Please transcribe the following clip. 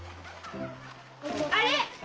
あれ！